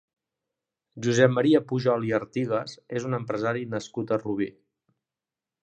Josep Maria Pujol i Artigas és un empresari nascut a Rubí.